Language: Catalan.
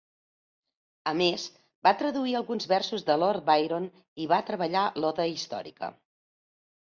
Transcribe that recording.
A més va traduir alguns versos de Lord Byron i va treballar l'oda històrica.